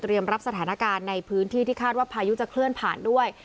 รับสถานการณ์ในพื้นที่ที่คาดว่าพายุจะเคลื่อนผ่านด้วย